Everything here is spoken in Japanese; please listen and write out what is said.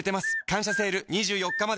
「感謝セール」２４日まで